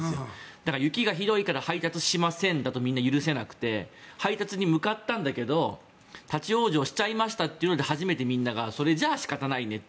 だから雪がひどいから配達しませんだとみんな許せなくて配達に向かったんだけど立ち往生しちゃいましたっていうので初めてみんながそれじゃあ仕方ないねと。